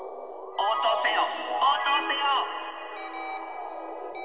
おうとうせよ！